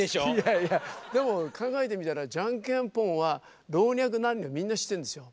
いやいやでも考えてみたらジャンケンポンは老若男女みんな知ってるんですよ。